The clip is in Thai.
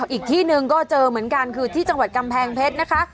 อีกที่หนึ่งก็เจอเหมือนกันคือที่จังหวัดกำแพงเพชรนะคะ